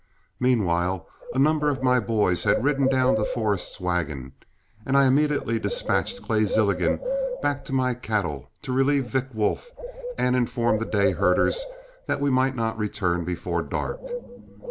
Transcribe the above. Meanwhile a number of my boys had ridden down to Forrest's wagon, and I immediately dispatched Clay Zilligan back to my cattle to relieve Vick Wolf and inform the day herders that we might not return before dark.